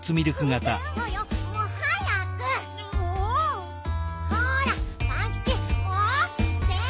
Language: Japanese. ほらパンキチおきて！